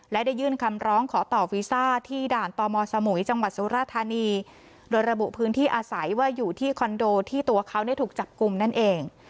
และได้ยื่นคำร้องขอต่อวีซ่าที่ด่านตมสมุยจังหวัดสุราธานีโดยระบุพื้นที่อาศัยว่าอยู่ที่คอนโดที่ตัวเขาถูกจับกลุ่มนั่นเอง